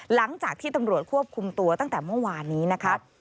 หลังจากที่ตำรวจควบคุมตัวตั้งแต่เมื่อวานนี้นะคะ